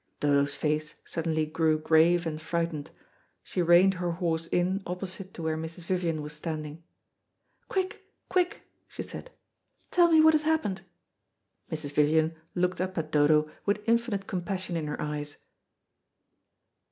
Dodo's face suddenly grew grave and frightened. She reined her horse in opposite to where Mrs. Vivian was standing. "Quick, quick," she said, "tell me what has happened!" Mrs. Vivian looked up at Dodo with infinite compassion in her eyes.